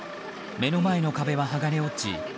目の前の壁は剥がれ落ち